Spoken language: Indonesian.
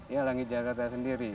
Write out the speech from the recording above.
ya langit jakarta sendiri